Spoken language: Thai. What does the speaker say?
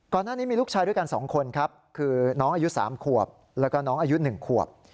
ก่อนหน้านี้มีลูกชายด้วยกัน๒คนครับคือน้องอายุ๓ขวบแล้วก็น้องอายุ๑ขวบ